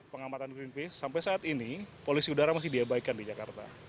pengamatan greenpeace sampai saat ini polisi udara masih diabaikan di jakarta